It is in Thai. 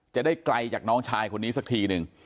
จะได้ไกลจากน้องชายคนนี้สักทีหนึ่ง